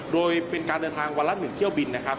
โดยเป็นการเดินทางวันละ๑เที่ยวบินนะครับ